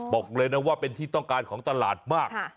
บอกเลยนะว่าเป็นที่ต้องการของตลาดมาก